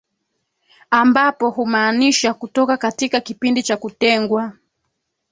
ambapo humaanisha kutoka katika kipindi cha kutengwa